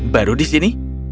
baru di sini